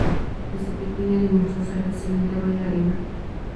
Desde pequeña demostró ser excelente bailarina.